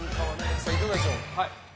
いかがでしょう？